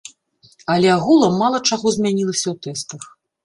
Але агулам мала чаго змянілася ў тэстах.